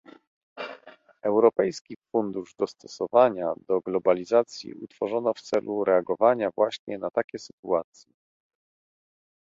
Europejski Fundusz Dostosowania do Globalizacji utworzono w celu reagowania właśnie na takie sytuacje